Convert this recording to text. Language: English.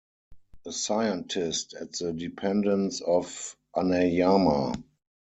A scientist at the dependence of Aneyama.